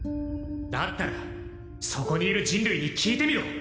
だったらそこにいる人類に聞いてみろ。